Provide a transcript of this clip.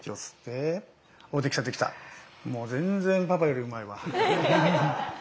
もう全然パパよりうまいわ！